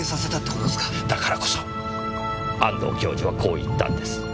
だからこそ安藤教授はこう言ったんです。